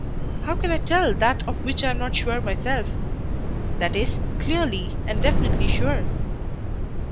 How can I tell that of which I am not sure myself that is, clearly and definitely sure?